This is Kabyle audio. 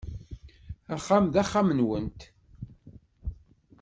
Axxam d axxam-nwent.